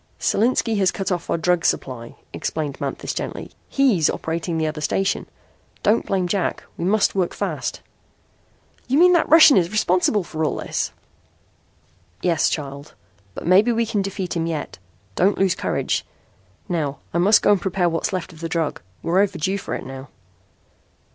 "Solinski has cut off our drug supply," explained Manthis gently. "He's operating the other station. Don't blame Jack. We must work fast." "You mean that Russian is responsible for all this?" "Yes, child. But maybe we can defeat him yet. Don't lose courage. Now I must go and prepare what's left of the drug. We're overdue for it now."